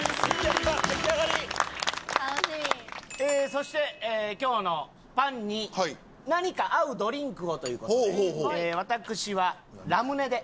そして今日のパンに何か合うドリンクをという事で私はラムネで。